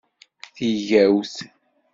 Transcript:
Tigawt!